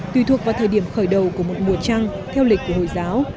tùy thuộc vào thời điểm khởi đầu của một mùa trăng theo lịch của hồi giáo